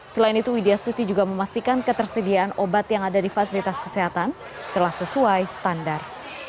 selain itu widya stuti juga memastikan ketersediaan obat yang ada di fasilitas kesehatan telah sesuai standar